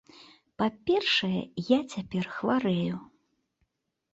Па-першае, я цяпер хварэю.